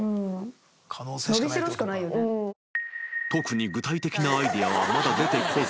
［特に具体的なアイデアはまだ出てこず］